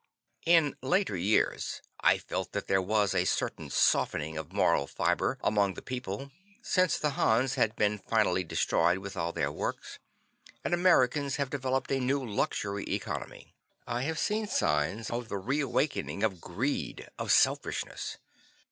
In later years, I felt that there was a certain softening of moral fiber among the people, since the Hans had been finally destroyed with all their works; and Americans have developed a new luxury economy. I have seen signs of the reawakening of greed, of selfishness.